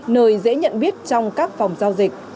nơi dễ nhận biết trong các phòng giao dịch